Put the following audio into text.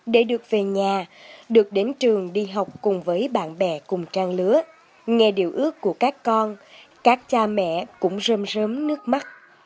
để được về nhà được đến trường đi học cùng với bạn bè cùng trang lứa nghe điều ước của các con các cha mẹ cũng rơm sớm nước mắt